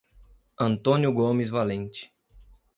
Antônio Gomes Valente